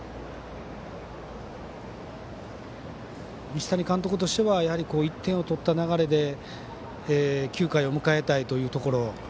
西谷監督としてはやはり１点を取った流れで９回を迎えたいというところ。